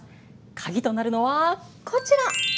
カギとなるのはこちら！